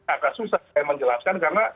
agak susah saya menjelaskan